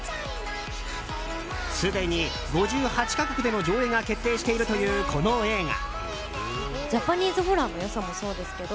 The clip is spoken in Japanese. すでに５８か国での上映が決定しているという、この映画。